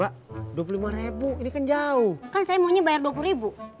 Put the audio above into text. kalau nggak harganya sebelas pol barat ah